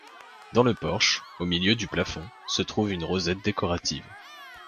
Dans le porche, au milieu du plafond, se trouve une rosette décorative.